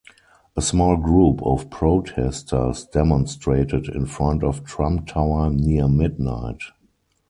A small group of protesters demonstrated in front of Trump Tower near midnight.